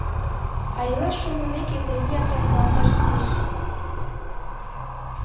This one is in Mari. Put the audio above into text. А илаш шонымеке, тенияк ямдылалташ кӱлеш.